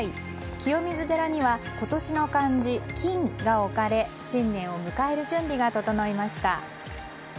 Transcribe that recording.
清水寺には今年の漢字、金が置かれ新年を迎える準備が整いました。